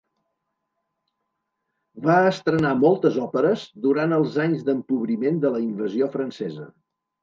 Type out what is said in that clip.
Va estrenar moltes òperes durant els anys d'empobriment de la invasió francesa.